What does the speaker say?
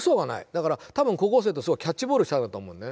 だから多分高校生とキャッチボールしたんだと思うね。